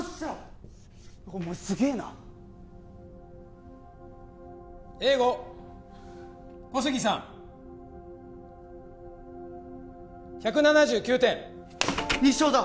お前すげえな英語小杉さん１７９点２勝だ！